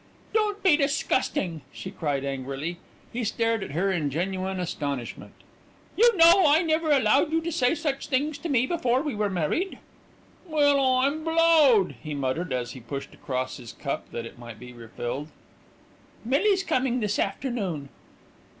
"Don't be disgusting!" she cried angrily. He stared at her in genuine astonishment. "You know I never allowed you to say such things to me before we were married." "Well, I'm blowed!" he muttered as he pushed across his cup that it might be refilled. "Millie's coming this afternoon."